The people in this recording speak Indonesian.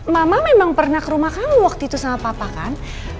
mama memang pernah ke rumah kamu waktu itu sama papa kan